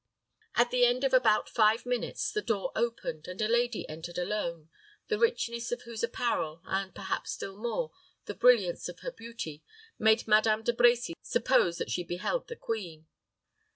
At the end of about five minutes, the door opened, and a lady entered alone, the richness of whose apparel, and perhaps still more, the brilliance of her beauty, made Madame De Brecy suppose that she beheld the queen.